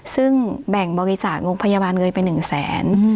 ซึ่งแบ่งบริจาคโรงพยาบาลเงินไป๑แสน